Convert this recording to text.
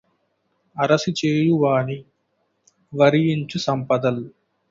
అరసి చేయువాని వరియించు సంపదల్